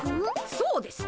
そうです。